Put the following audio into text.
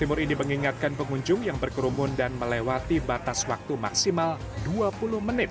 ia mengaku harus pengunyah lebih cepat agar tidak melewati batas waktu maksimal dua puluh menit